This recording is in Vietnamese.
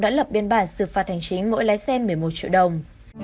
đã lập biên bản xử phạt hành chính mỗi lái xe một mươi một triệu đồng